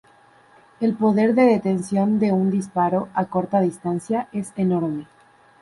El poder de detención de un disparo a corta distancia es enorme.